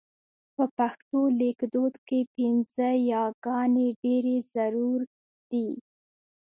په پښتو لیکدود کې پينځه یې ګانې ډېرې ضرور دي.